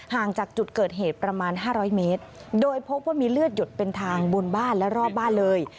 ห่างจากจุดเกิดเหตุประมาณห้าร้อยเมตรโดยพบว่ามีเลือดหยดเป็นทางบนบ้านและรอบบ้านเลย